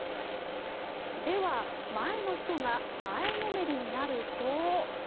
では、前の人が前のめりになると。